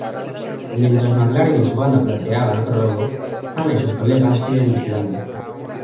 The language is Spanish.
Mientras McLaren y su banda planean otro robo, Hanna y sus colegas siguen vigilando.